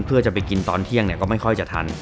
เพื่อจะไปกินตอนเที่ยงก็ไม่ค่อยจะทัน